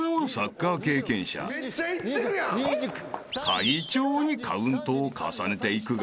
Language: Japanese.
［快調にカウントを重ねていくが］